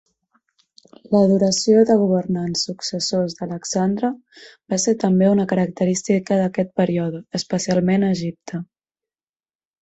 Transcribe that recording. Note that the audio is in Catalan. L'adoració de governants successors d'Alexandre va ser també una característica d'aquest període, especialment a Egipte.